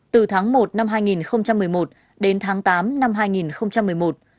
từ tháng một năm hai nghìn một mươi một đến tháng tám năm hai nghìn một mươi một